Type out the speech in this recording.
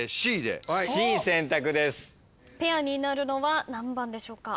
ペアになるのは何番でしょうか？